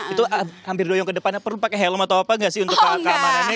itu hampir doyong ke depannya perlu pakai helm atau apa nggak sih untuk keamanannya